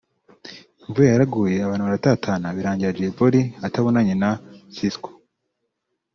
imvura yaraguye abantu baratatana birangira Jay Polly atabonanye na Sisqo